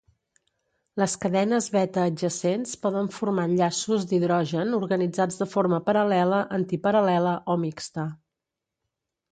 Les cadenes beta adjacents poden formar enllaços d’hidrogen organitzats de forma paral·lela, antiparal·lela o mixta.